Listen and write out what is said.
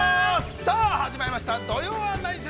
さあ、始まりました「土曜はナニする！？」。